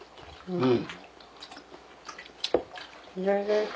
うん。